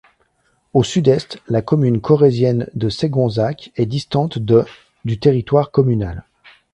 Au sud-est, la commune corrézienne de Segonzac est distante de du territoire communal.